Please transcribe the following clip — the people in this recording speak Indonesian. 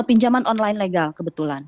pinjaman online legal kebetulan